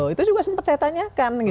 itu juga sempat saya tanyakan